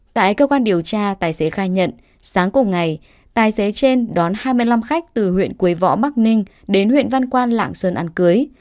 tại cơ quan điều tra tài xế khai nhận sáng cùng ngày tài xế trên đón hai mươi năm khách từ huyện quế võ bắc ninh đến huyện văn quan lạng sơn ăn cưới